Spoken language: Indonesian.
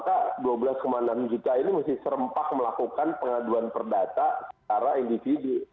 maka dua belas enam juta ini mesti serempak melakukan pengaduan perdata secara individu